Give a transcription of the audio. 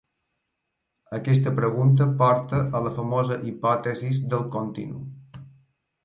Aquesta pregunta porta a la famosa hipòtesis del continu.